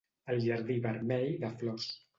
El jardí vermell de flors.